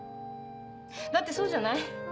だってそうじゃない？